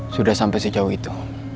sudah sampai sejauh itu